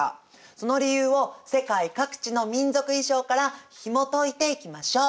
その理由を世界各地の民族衣装からひもといていきましょう。